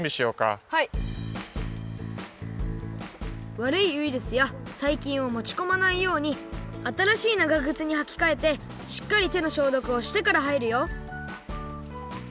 わるいウイルスやさいきんをもちこまないようにあたらしいながぐつにはきかえてしっかりてのしょうどくをしてからはいるよ